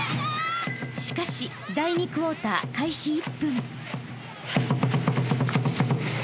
［しかし第２クォーター開始］